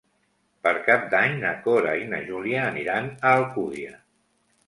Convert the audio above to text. Per Cap d'Any na Cora i na Júlia aniran a Alcúdia.